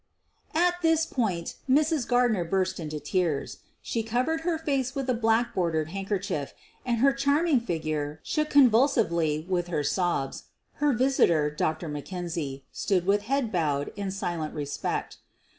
" At this point Mrs. Gardner burst into tears. She covered her face with her black bordered handker chief and her charming figure shook convulsively with her sobs. Her visitor, Dr. Mackenzie, stood with head bowed in silent respect.